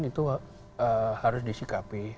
itu harus disikapi